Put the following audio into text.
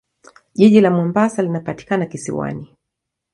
Jiji la Mombasa linapatikana kisiwani.